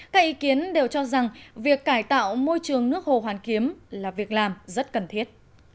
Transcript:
các ý kiến đều cho rằng việc cải tạo môi trường nước hồ hoàn kiếm là việc làm rất cần thiết